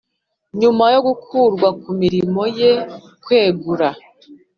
Nyuma yo gukurwa ku mirimo ye kwegura